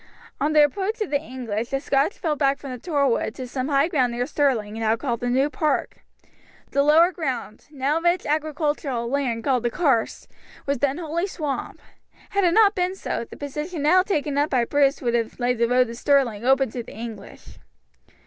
On the approach of the English the Scotch fell back from the Torwood to some high ground near Stirling now called the New Park. The lower ground, now rich agricultural land called the Carse, was then wholly swamp. Had it not been so, the position now taken up by Bruce would have laid the road to Stirling open to the English.